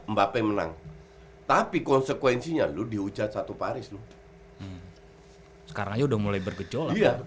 mbak pei menang tapi konsekuensinya lu dihujat satu paris lu sekarang aja udah mulai bergejolak